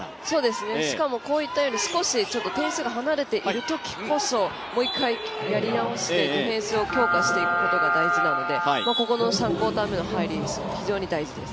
しかもこういったように少し点数が離れているときこそもう一回やり直してディフェンスを強化していくことが大事なので、３クオーター目の入り非常に大事です。